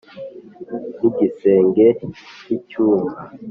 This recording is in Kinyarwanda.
n’igisenge cy’inyumba